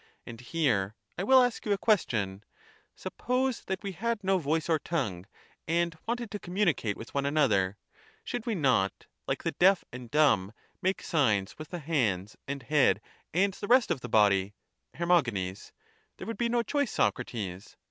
And here I will ask you a question : Suppose that we had no voice or tongue, and wanted to communicate with one another, should we not, like the deaf and dumb, make signs with the hands and head and the rest of the body ? Her. There would be no choice, Socrates.